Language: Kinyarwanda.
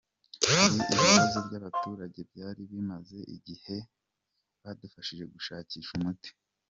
Hari ibibazo by’abaturage byari bimaze igihe badufashije gushakira umuti.